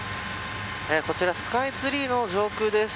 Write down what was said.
こちらスカイツリーの上空です。